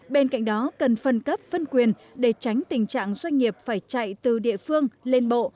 bên cạnh đó cần phân cấp phân quyền để tránh tình trạng doanh nghiệp phải chạy từ địa phương lên bộ